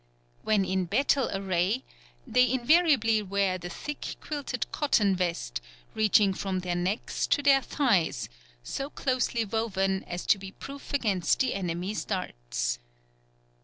When in battle array they invariably wear the thick, quilted cotton vest reaching from their necks to their thighs, so closely woven as to be proof against the enemy's darts.